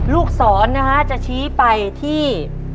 ลูกศรนะฮะจะชี้ไปที่